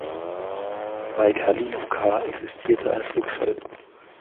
Bei Kalinowka existierte ein Flugfeld.